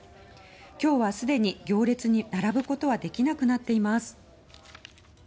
今日は既に行列に並ぶことはできなくなっています。